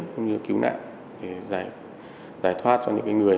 cũng như cứu nạn để giải thoát cho những người